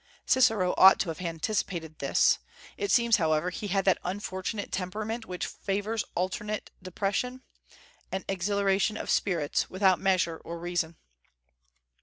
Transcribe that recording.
Cicero ought to have anticipated this; it seems, however, he had that unfortunate temperament which favors alternate depression and exhilaration of spirits, without measure or reason.